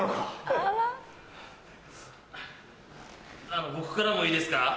あの僕からもいいですか？